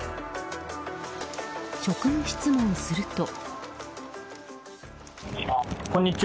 職務質問すると。